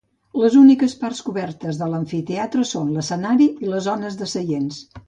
Les úniques parts cobertes de l'amfiteatre són l'escenari i les zones de seients.